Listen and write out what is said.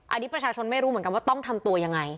อันนี้ประชาชนไม่รู้เหมือนกันว่าต้องทำตัวยังไง